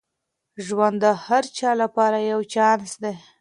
ژوند د هر چا لپاره یو چانس دی.